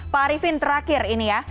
tarifin terakhir ini ya